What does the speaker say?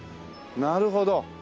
なるほど。